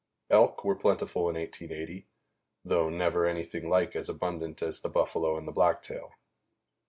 Elk were plentiful in 1880, though never anything like as abundant as the buffalo and the blacktail.